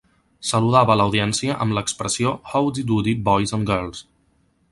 Saludava l'audiència amb l'expressió "Howdy Doody, boys and girls!".